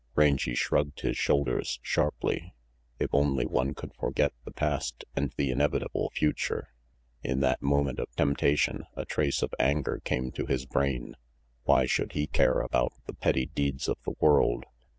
Rangy shrugged his shoulders sharply. If only one could forget the past and the inevitable future! In that moment of temptation, a trace of anger came to his brain. Why should he care about the petty deeds of the world?